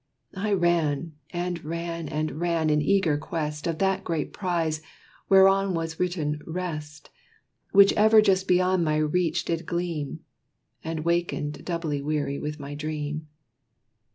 I ran, and ran, and ran, in eager quest Of that great prize, whereon was written "rest," Which ever just beyond my reach did gleam, And wakened doubly weary with my dream.